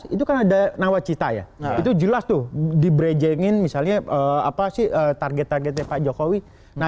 itu kan ada nawacita ya itu jelas tuh di brejengin misalnya apa sih target targetnya pak jokowi nah